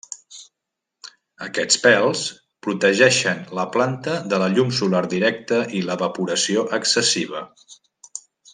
Aquests pèls protegeixen la planta de la llum solar directa i l'evaporació excessiva.